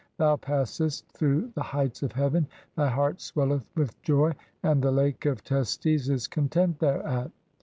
Thou passest "through the heights of heaven, thy heart swelleth with joy ; and "the Lake of Testes (?) is content thereat.